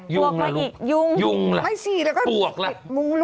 ยูงหละลูกยูงหละปวกละมุงรวด